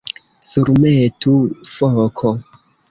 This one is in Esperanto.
Surmetu, foko!